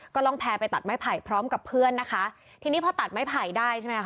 ก็ล่องแพรไปตัดไม้ไผ่พร้อมกับเพื่อนนะคะทีนี้พอตัดไม้ไผ่ได้ใช่ไหมคะ